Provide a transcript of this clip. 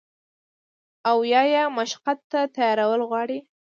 او يا ئې مشقت ته تيارول غواړي